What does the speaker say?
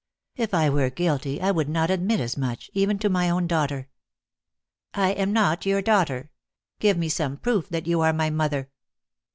If I were guilty, I would not admit as much, even to my own daughter." "I am not your daughter. Give me some proof that you are my mother."